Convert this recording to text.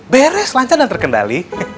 beres lancar dan terkendali